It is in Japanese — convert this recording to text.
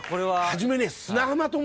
初めね。